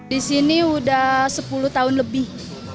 di sini sudah sepuluh tahun lebih